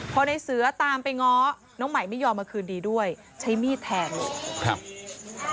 พอในเสือตามไปง้อน้องใหม่ไม่ยอมมาคืนดีด้วยใช้มีดแทงเลยครับ